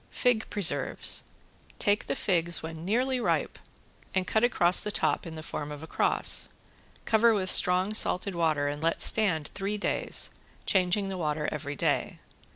~FIG PRESERVES~ Take the figs when nearly ripe and cut across the top in the form of a cross. Cover with strong salted water and let stand three days, changing the water every day.